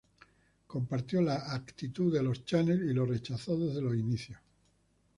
Compartió la actitud de Chanel y lo rechazó desde los inicios.